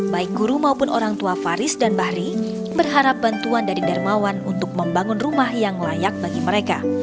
baik guru maupun orang tua faris dan bahri berharap bantuan dari dermawan untuk membangun rumah yang layak bagi mereka